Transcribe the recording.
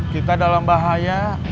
kita dalam bahaya